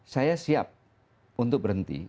saya siap untuk berhenti